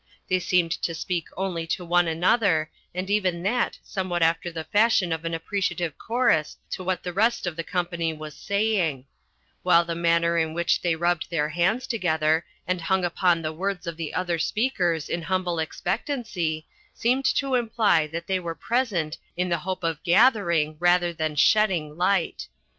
They seemed to speak only to one another, and even that somewhat after the fashion of an appreciative chorus to what the rest of the company was saying; while the manner in which they rubbed their hands together and hung upon the words of the other speakers in humble expectancy seemed to imply that they were present in the hope of gathering rather than shedding light.